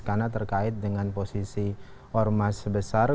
karena terkait dengan posisi ormas besar